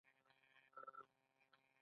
هغې وویل محبت یې د غروب په څېر ژور دی.